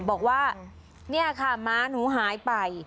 บอกว่าเนี่ยค่ะม้าหนูหายไป